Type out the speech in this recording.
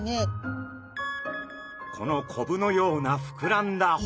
このコブのようなふくらんだ骨。